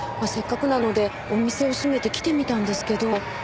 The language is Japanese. せっかくなのでお店を閉めて来てみたんですけど。